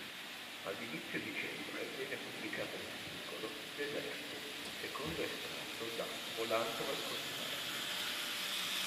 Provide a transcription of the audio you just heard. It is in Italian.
Ad inizio dicembre viene pubblicato il singolo "Deserto", secondo estratto da "Volando al contrario".